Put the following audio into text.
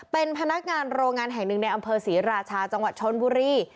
เป็นพนักงานโรงงานแห่งหนึ่งในอำเภอศรีราชาจังหวัดชนบุรี